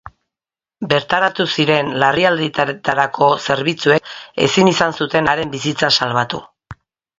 Bertaratu ziren larrialdietarako zerbitzuek ezin izan zuten haren bizitza salbatu.